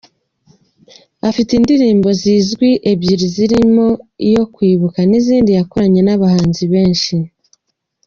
Afite indirimbo zizwi ebyiri zirimo iyo kwibuka n’izindi yakoranye n’abahanzi benshi.